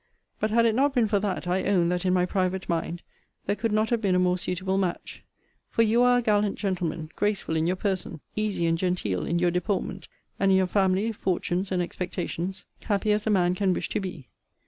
* But had it not been for that, I own, that, in my private mind, there could not have been a more suitable match: for you are a gallant gentleman, graceful in your person, easy and genteel in your deportment, and in your family, fortunes, and expectations, happy as a man can wish to be.